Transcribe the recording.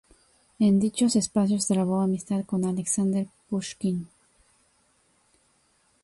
En dichos espacios trabó amistad con Alexander Pushkin.